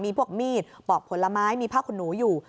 มีพวกมีดปอกผลไม้มีผ้าขนหนูอยู่